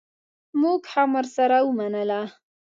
مونږ هم ورسره ومنله.